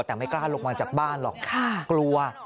แต่ไม่กล้าลงมาจากบ้านหรอกกลัว